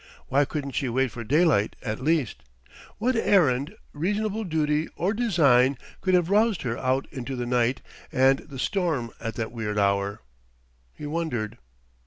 Why couldn't she wait for daylight at least? What errand, reasonable duty or design could have roused her out into the night and the storm at that weird hour? He wondered!